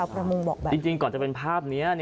ประมงบอกแบบนี้จริงก่อนจะเป็นภาพนี้